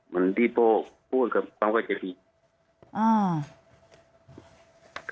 คุณประทีบขอแสดงความเสียใจด้วยนะคะ